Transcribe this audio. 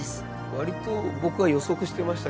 割と僕は予測してましたけどね。